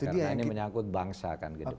karena ini menyangkut bangsa ke depan